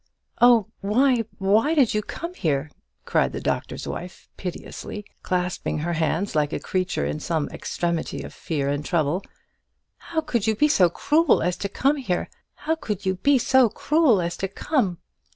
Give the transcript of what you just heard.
Oh, why, why did you come here?" cried the Doctor's Wife, piteously, clasping her hands like a creature in some extremity of fear and trouble; "how could you be so cruel as to come here; how could you be so cruel as to come?"